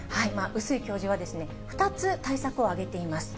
碓井教授は、２つ対策を挙げています。